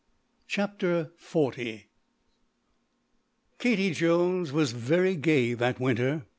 CHAPTER XL Katie Jones was very gay that winter.